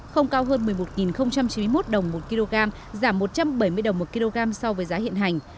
không cao hơn một mươi một chín mươi một đồng một kg giảm một trăm bảy mươi đồng một kg so với giá hiện hành